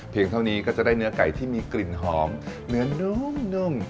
เท่านี้ก็จะได้เนื้อไก่ที่มีกลิ่นหอมเนื้อนุ่ม